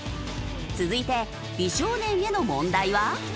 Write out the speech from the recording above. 続いて美少年への問題は。